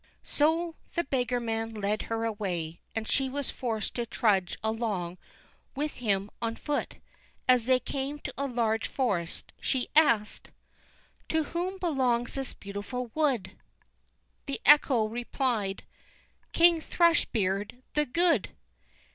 So the beggarman led her away, and she was forced to trudge along with him on foot. As they came to a large forest, she asked: "To whom belongs this beautiful wood?" The echo replied: "King Thrush beard the good!